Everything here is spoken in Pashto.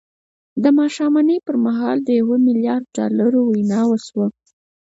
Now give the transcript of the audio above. د ماښامنۍ پر مهال د يوه ميليارد ډالرو وينا وشوه.